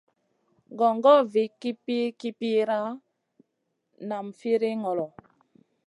Gongor vih kipir-kipira, nam firiy ŋolo.